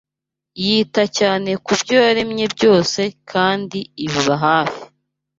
Yita cyane ku byo yaremye byose kandi ibiba hafi.